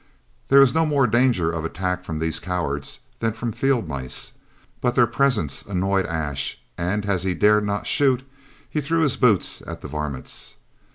There was no more danger of attack from these cowards than from field mice, but their presence annoyed Ash, and as he dared not shoot, he threw his boots at the varmints.